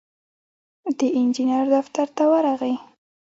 د انجينر دفتر ته ورغی.